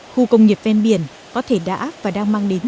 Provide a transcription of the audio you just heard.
khu công nghiệp ven biển có thể đã và đang mang đến